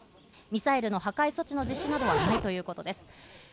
ミサイルの破壊措置の実施などはないということです。